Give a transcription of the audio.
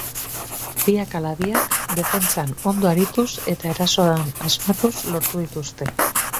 Biak ala biak defentsan ondo arituz eta erasoan asmatuz lortu dituzte.